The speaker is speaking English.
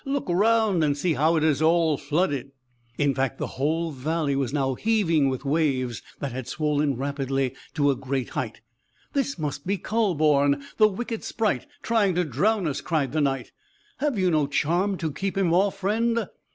Look round, and see how it is all flooded." In fact, the whole valley was now heaving with waves, that had swollen rapidly to a great height. "This must be Kühleborn, the wicked sprite, trying to drown us!" cried the Knight. "Have you no charm to keep him off, friend?"